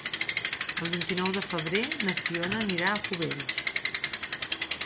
El vint-i-nou de febrer na Fiona anirà a Cubells.